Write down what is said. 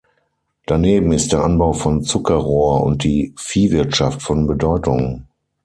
Daneben ist der Anbau von Zuckerrohr und die Viehwirtschaft von Bedeutung.